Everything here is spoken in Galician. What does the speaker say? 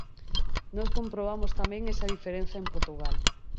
Nós comprobamos tamén esa diferenza en Portugal.